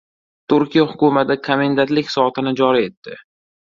Turkiya hukumati komendantlik soatini joriy etdi.